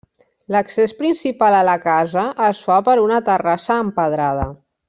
L'accés principal a la casa es fa per una terrassa empedrada.